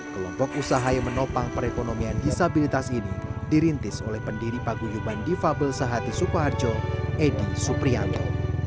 kelompok usaha yang menopang perekonomian disabilitas ini dirintis oleh pendiri paguyuban difabel sehati sukoharjo edi suprianto